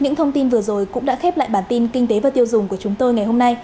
những thông tin vừa rồi cũng đã khép lại bản tin kinh tế và tiêu dùng của chúng tôi ngày hôm nay